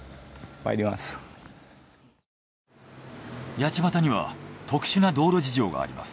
八街には特殊な道路事情があります。